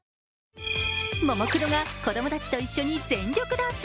ももクロが子供たちと一緒に全力ダンス。